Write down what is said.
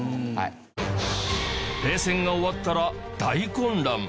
冷戦が終わったら大混乱！